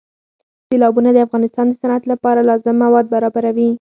سیلابونه د افغانستان د صنعت لپاره لازم مواد برابروي.